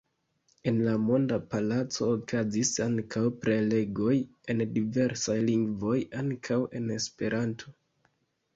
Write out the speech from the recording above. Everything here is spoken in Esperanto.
En la Monda Palaco okazis ankaŭ prelegoj en diversaj lingvoj, ankaŭ en Esperanto.